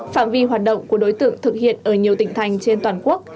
phạm vi hoạt động của đối tượng thực hiện ở nhiều tỉnh thành trên toàn quốc